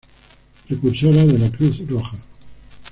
Precursora de la Cruz Roja.